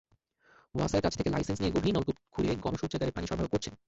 ওয়াসার কাছ থেকে লাইসেন্স নিয়ে গভীর নলকূপ খুঁড়ে গণশৌচাগারে পানি সরবরাহ করছেন।